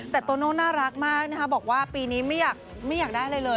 แต่โตโน่น่ารักมากนะคะบอกว่าปีนี้ไม่อยากได้อะไรเลย